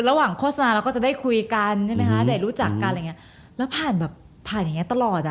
ระหว่างโฆษณาแล้วก็จะได้คุยกันได้รู้จักกันแล้วผ่านแบบผ่านอย่างนี้ตลอด